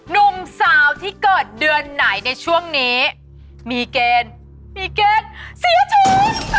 หนุ่มสาวที่เกิดเดือนไหนในช่วงนี้มีเกณฑ์มีเกณฑ์เสียทุน